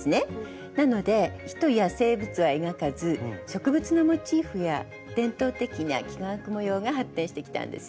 なので人や生物は描かず植物のモチーフや伝統的な幾何学模様が発展してきたんです。